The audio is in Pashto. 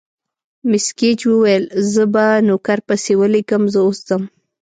مس ګېج وویل: زه به نوکر پسې ولېږم، زه اوس ځم.